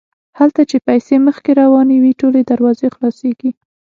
هلته چې پیسې مخکې روانې وي ټولې دروازې خلاصیږي.